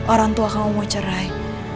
orang tua kamu mau cerai